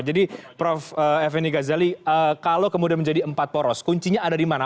jadi prof eveni gazali kalau kemudian menjadi empat poros kuncinya ada di mana